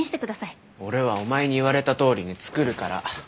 俺はお前に言われたとおりに作るから。